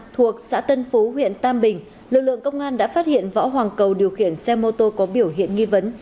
thuộc xã tân phú huyện tam bình lực lượng công an đã phát hiện võ hoàng cầu điều khiển xe mô tô có biểu hiện nghi vấn